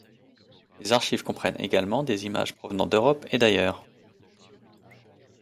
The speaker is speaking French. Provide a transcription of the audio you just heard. Les archives comprennent également des images provenant d'Europe et d'ailleurs.